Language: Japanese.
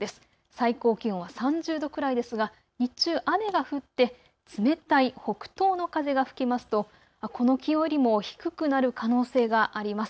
最高気温は３０度くらいですが日中、雨が降って冷たい北東の風が吹きますとこの気温よりも低くなる可能性があります。